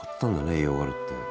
栄養があるって。